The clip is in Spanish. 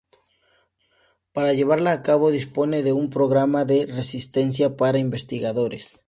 Para llevarla a cabo, dispone de un programa de residencias para investigadores.